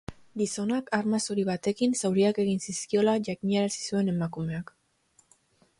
Gizonak arma zuri batekin zauriak egin zizkiola jakinarazi zuen emakumeak.